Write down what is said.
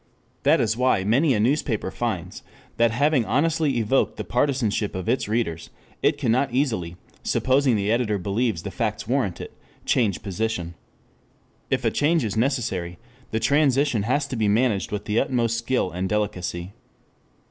That is why many a newspaper finds that, having honestly evoked the partisanship of its readers, it can not easily, supposing the editor believes the facts warrant it, change position. If a change is necessary, the transition has to be managed with the utmost skill and delicacy.